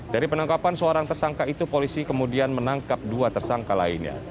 dari penangkapan seorang tersangka itu polisi kemudian menangkap dua tersangka lainnya